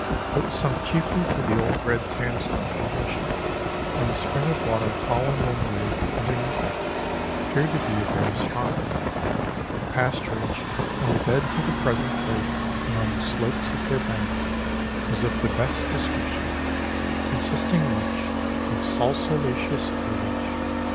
It was sunk chiefly through the old red sandstone formation, 1 and the spring of water fallen in with underneath it appeared to be a very strong one. The pasturage on the beds of the present lakes, and on the slopes of their banks, was of the best description, consisting much of salsolaceous herbage.